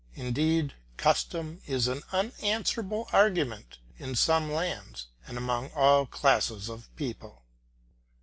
Indeed, custom is an unanswerable argument in some lands and among all classes of people.